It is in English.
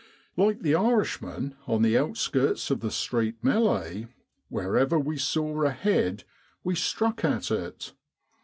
Like the Irishman on the outskirts of the street me'le'e, wher ever we saw a head we struck at it.